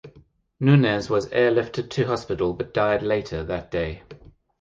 Nunes was airlifted to hospital but died later that day.